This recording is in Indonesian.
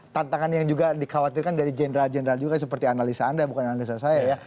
tantangan yang juga dikhawatirkan dari jenderal jenderal juga seperti analisa anda bukan analisa saya ya